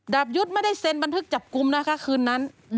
ดาบยุทธ์ไม่ได้เซ็นบันทึกจับกลุ่มนะคะคืนนั้น